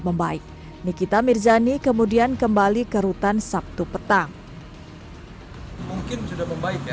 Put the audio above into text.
membaik nikita mirzani kemudian kembali ke rutan sabtu petang mungkin sudah membaik ya